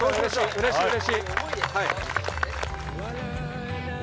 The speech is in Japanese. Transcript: うれしい、うれしい！